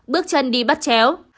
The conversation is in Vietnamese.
bước chân đi bắt chéo